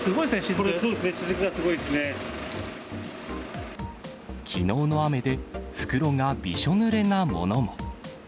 そうですね、きのうの雨で袋がびしょぬれなものも。